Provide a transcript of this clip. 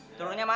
atau ku jatuh